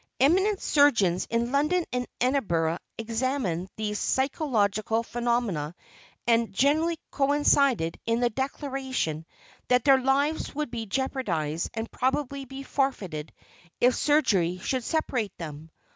Eminent surgeons in London and in Edinburgh examined these physiological phenomena and generally coincided in the declaration that their lives would be jeopardized and probably be forfeited if surgery should separate them.